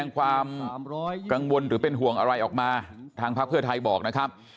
ความกังวลหรือเป็นห่วงอะไรออกมาทางภาคเพื่อไทยบอกนะครับ